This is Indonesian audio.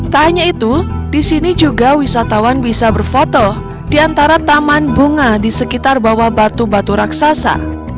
tak hanya itu di sini juga wisatawan bisa berfoto di antara taman bunga di sekitar bawah batu batu raksasa